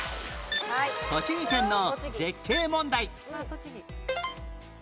栃木県の絶景問題